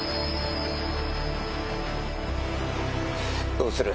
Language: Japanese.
どうする？